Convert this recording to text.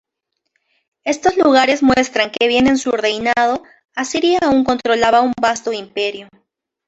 Estos lugares muestran que bien en su reinado, Asiria aún controlaba un vasto imperio.